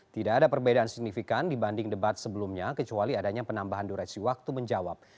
tidak ada perbedaan signifikan dibanding debat sebelumnya kecuali adanya penambahan durasi waktu menjawab